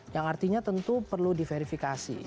yang artinya tentu perlu diverifikasi